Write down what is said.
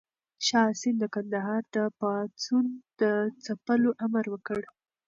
شاه حسين د کندهار د پاڅون د ځپلو امر وکړ.